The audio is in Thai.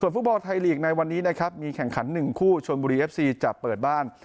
ฟุตบอลไทยลีกในวันนี้นะครับมีแข่งขัน๑คู่ชนบุรีเอฟซีจะเปิดบ้าน